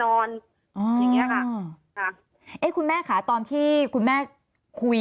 ตอนที่จะไปอยู่โรงเรียนนี้แปลว่าเรียนจบมไหนคะ